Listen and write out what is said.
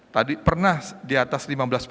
tadi pernah di atas